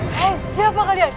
hei siapa kalian